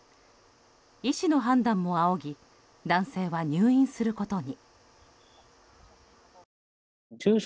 医師の判断も仰ぎ男性は入院することに。